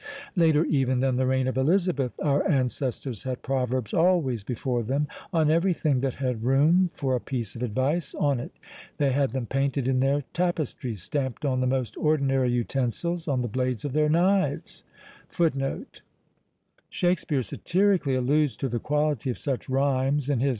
Later even than the reign of Elizabeth our ancestors had proverbs always before them, on everything that had room for a piece of advice on it; they had them painted in their tapestries, stamped on the most ordinary utensils, on the blades of their knives, the borders of their plates, and "conned them out of goldsmiths' rings."